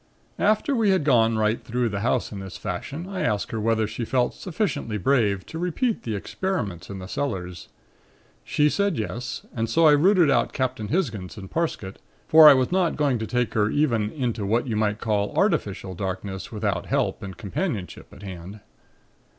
"After we had gone right through the house in this fashion, I asked her whether she felt sufficiently brave to repeat the experiments in the cellars. She said yes, and so I rooted out Captain Hisgins and Parsket, for I was not going to take her even into what you might call artificial darkness without help and companionship at hand.